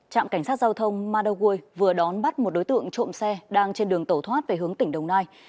trạm cảnh sát giao thông madaway vừa đón bắt một đối tượng trộm xe đang trên đường tẩu thoát về hướng tỉnh đồng nai